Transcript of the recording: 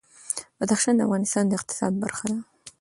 بدخشان د افغانستان د اقتصاد برخه ده.